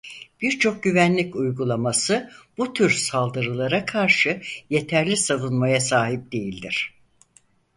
Birçok güvenlik uygulaması bu tür saldırılara karşı yeterli savunmaya sahip değildir.